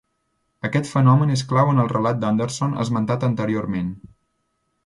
Aquest fenomen és clau en el relat d'Anderson esmentat anteriorment.